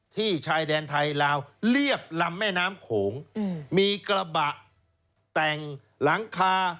ชายแดนไทยลาวเรียบลำแม่น้ำโขงมีกระบะแต่งหลังคา